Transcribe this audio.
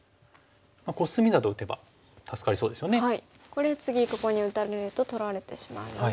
これ次ここに打たれると取られてしまうので打ちます。